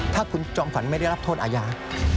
ถ้าคุณจอมขวัญไม่ได้รับโทษอาญา